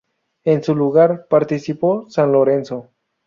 En su lugar, participó San Lorenzo.